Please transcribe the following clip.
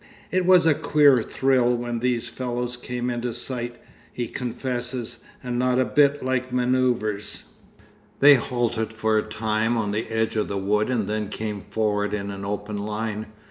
'It was a queer thrill when these fellows came into sight,' he confesses; 'and not a bit like manœuvres. They halted for a time on the edge of the wood and then came forward in an open line.